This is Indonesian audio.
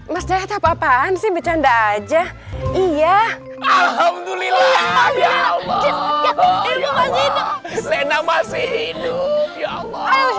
masjid apa apaan sih bercanda aja iya alhamdulillah ya allah lena masih hidup